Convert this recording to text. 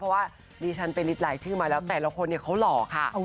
เพราะว่าดิฉันไปนิดหลายชื่อมาแล้วแต่ละคนเนี่ยเขาหล่อค่ะ